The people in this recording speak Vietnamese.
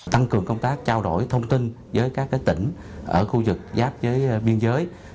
tăng cường công tác trao đổi thông tin với các tỉnh ở khu vực giáp với biên giới